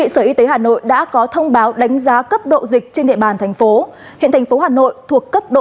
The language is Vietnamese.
sở y tế hà nội đã có thông báo đánh giá cấp độ dịch trên địa bàn thành phố